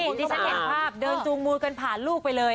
ที่ฉันเห็นภาพเดินจูงมือกันผ่านลูกไปเลย